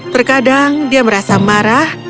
terkadang dia merasa marah